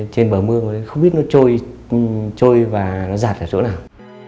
trên bờ mương không biết nó trôi và nó giặt ở chỗ nào